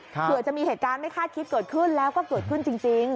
เผื่อจะมีเหตุการณ์ไม่คาดคิดเกิดขึ้นแล้วก็เกิดขึ้นจริง